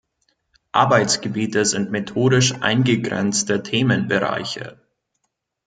Arbeitsgebiete sind methodisch eingegrenzte Themenbereiche.